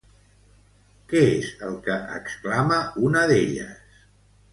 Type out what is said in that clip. Què és el que exclama una d'elles?